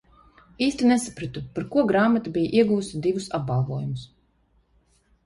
Īsti nesapratu par ko grāmata bija ieguvusi divus apbalvojumus.